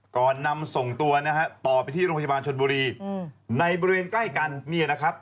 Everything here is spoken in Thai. ก่อนนำส่งตัวนะฮะต่อไปที่โรงพยาบาลชนบุรีในบริเวณใกล้กันเนี่ยนะครับ